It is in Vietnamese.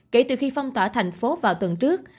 kể từ khi phong tỏa thành phố vào tuần trước